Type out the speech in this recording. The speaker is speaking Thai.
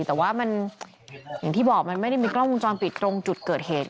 แต่ว่ามันอย่างที่บอกมันไม่ได้มีกล้องวงจรปิดตรงจุดเกิดเหตุ